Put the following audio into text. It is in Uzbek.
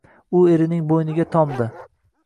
U erining bo‘yniga tomdi…